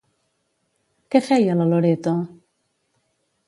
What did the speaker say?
Què feia la Loreto?